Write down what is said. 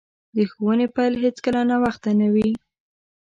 د ښوونې پیل هیڅکله ناوخته نه وي.